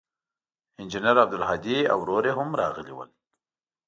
انجنیر عبدالهادي او ورور یې هم راغلي ول.